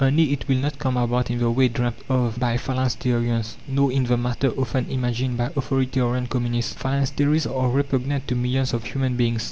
Only it will not come about in the way dreamt of by Phalansterians, nor in the manner often imagined by authoritarian Communists. Phalansteries are repugnant to millions of human beings.